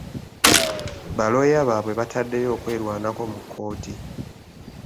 Balooya baabwe bataddeyo okwerwanako mu kkooti.